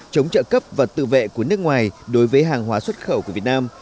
chống trợ cấp và tự vệ của nước ngoài đối với hàng hóa xuất khẩu của việt nam